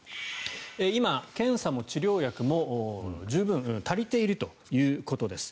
今、検査も治療薬も十分足りているということです。